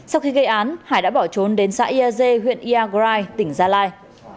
sau khi gây án hải đã bỏ trốn đến xã ia dê huyện ia grai tỉnh gia lai